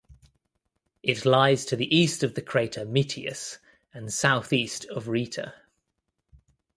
It lies to the east of the crater Metius, and southeast of Rheita.